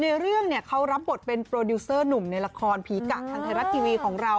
ในเรื่องเนี่ยเขารับบทเป็นโปรดิวเซอร์หนุ่มในละครผีกะทางไทยรัฐทีวีของเรา